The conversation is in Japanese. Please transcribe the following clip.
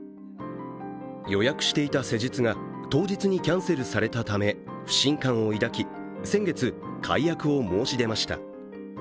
予約していた施術が当日にキャンセルされたため不信感を抱き、先月、解約を申し出ました。